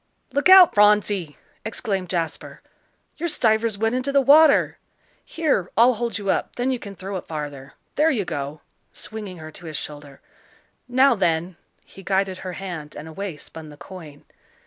"Look out, Phronsie!" exclaimed Jasper. "Your stuivers went into the water. Here, I'll hold you up, then you can throw it farther. There you go," swinging her to his shoulder. "Now, then" he guided her hand, and away spun the coin.